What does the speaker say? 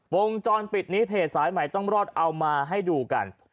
วงจรปิดนี้เพจสายใหม่ต้องรอดเอามาให้ดูกัน